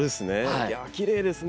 いやきれいですね。